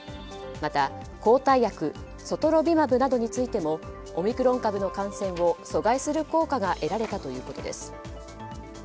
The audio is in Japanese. また、抗体薬ソトロビマブなどについてもオミクロン株の感染を阻害する効果が得られたということです。